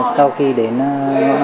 sau khi đến ngõ năm mươi tám trần bình